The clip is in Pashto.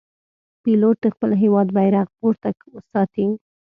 پیلوټ د خپل هېواد بیرغ پورته ساتي.